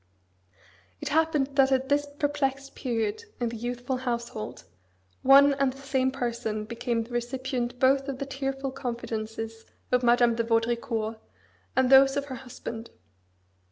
It happened that at this perplexed period in the youthful household, one and the same person became the recipient both of the tearful confidences of Madame de Vaudricourt and those of her husband.